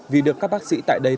vì được các bác sĩ tại đây